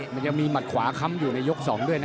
มันยังมีหมัดขวาค้ำอยู่ในยก๒ด้วยนะ